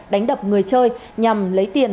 đánh đập người chơi nhằm lấy tiền